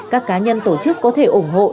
các cá nhân tổ chức có thể ủng hộ